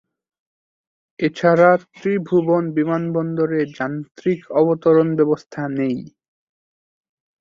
এছাড়া ত্রিভুবন বিমানবন্দরে ‘যান্ত্রিক অবতরন ব্যবস্থা’ নেই।